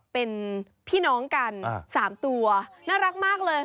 เป็นพี่น้องกัน๓ตัวน่ารักมากเลย